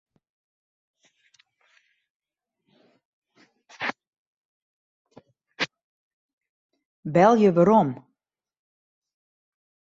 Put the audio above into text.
Belje werom.